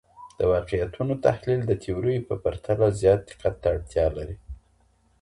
د واقعیتونو تحلیل د تیوریو په پرتله زیات دقت ته اړتیا لري.